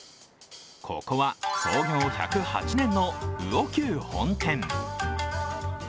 ここは創業１０８年の魚久本店。